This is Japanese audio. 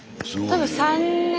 多分３年。